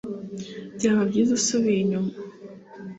Byaba byiza usubiye inyuma